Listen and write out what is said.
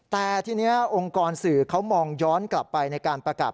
แต่ทีนี้องค์กรสื่อเขามองย้อนกลับไปในการประกาศ